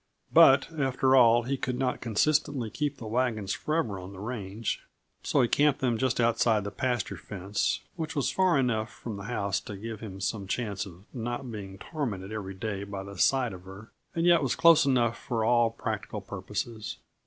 But, after all, he could not consistently keep the wagons forever on the range, so he camped them just outside the pasture fence; which was far enough from the house to give him some chance of not being tormented every day by the sight of her, and yet was close enough for all practical purposes.